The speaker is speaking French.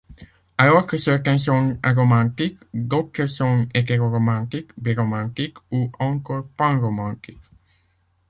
Alors que certains sont aromantiques, d'autres sont hétéroromantiques, biromantiques, ou encore panromantiques.